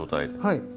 はい。